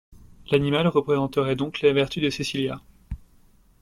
L'animal représenterait donc la vertu de Cecilia.